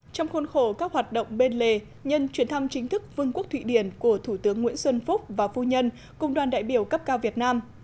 trong khuôn khổ các hoạt động bên lề nhân chuyển thăm chính thức vương quốc thụy điển của thủ tướng nguyễn xuân phúc và phu nhân cùng đoàn đại biểu cấp cao việt nam